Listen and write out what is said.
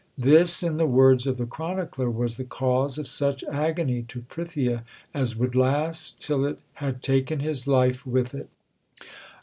This, in the words of the chronicler, was the cause of such agony to Prithia as would last till it had taken his life with it.